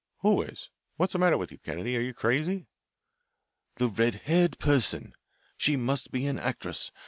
"Who is? What's the matter with you, Kennedy? Are you crazy?" "The red haired person she must be an actress.